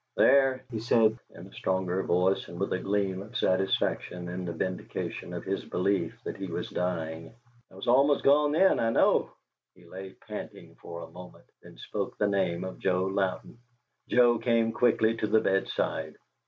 "There," he said, in a stronger voice and with a gleam of satisfaction in the vindication of his belief that he was dying. "I was almost gone then. I know!" He lay panting for a moment, then spoke the name of Joe Louden. Joe came quickly to the bedside.